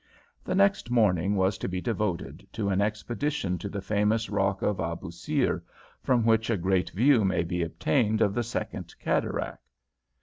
The next morning was to be devoted to an expedition to the famous rock of Abousir, from which a great view may be obtained of the second cataract.